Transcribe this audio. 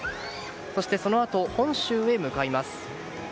そしてそのあと本州へ向かいます。